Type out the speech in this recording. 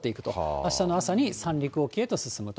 あしたの朝に三陸沖へと進むと。